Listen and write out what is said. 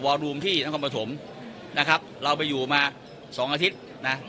วอลลูมที่น้ำคมประถมนะครับเราไปอยู่มาสองอาทิตย์นะ